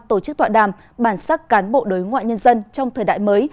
tổ chức tọa đàm bản sắc cán bộ đối ngoại nhân dân trong thời đại mới